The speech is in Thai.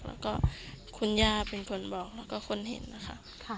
แล้วก็คุณย่าเป็นคนบอกแล้วก็คนเห็นนะคะ